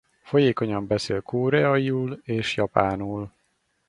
Folyékonyan beszél koreaiul és japánul.